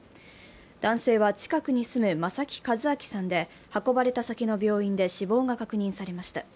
男性は近くに住む正木和彰さんで、運ばれた先の病院で死亡が確認されました。